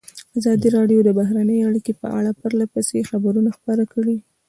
ازادي راډیو د بهرنۍ اړیکې په اړه پرله پسې خبرونه خپاره کړي.